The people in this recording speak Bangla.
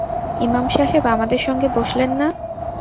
ইমাম সাহেব আমাদের সঙ্গে বসলেন না।